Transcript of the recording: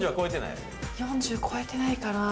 ４０超えてないかなぁ？